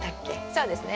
そうですね。